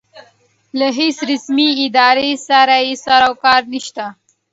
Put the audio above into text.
له هېڅ رسمې ادارې سره یې سروکار نشته.